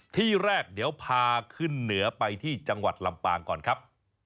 ที่แรกเดี๋ยวพาขึ้นเหนือไปที่จังหวัดลำปางก่อนครับ